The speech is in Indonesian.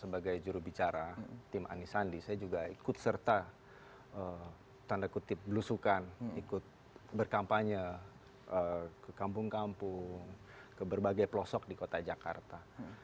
sebagai jurubicara tim anisandi saya juga ikut serta tanda kutip belusukan ikut berkampanye ke kampung kampung ke berbagai pelosok di kota jakarta